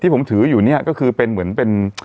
ที่ผมถืออยู่นี่ก็เป็นเหมือนเป็น